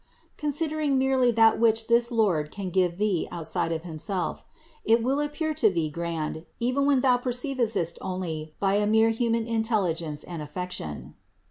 142. Considering merely that which this Lord can give thee outside of Himself, it will appear to thee grand, even when thou perceivest it only by a mere human intelligence and affection.